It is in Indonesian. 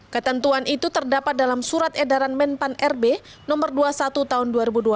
ketentuan itu terdapat dalam surat edaran menpan rb no dua puluh satu tahun dua ribu dua puluh